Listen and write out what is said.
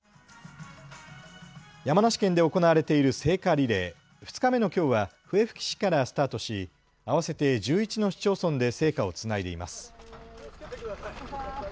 山梨県で行われている聖火リレー、２日目のきょうは笛吹市からスタートし合わせて１１の市町村で聖火をつないでいます。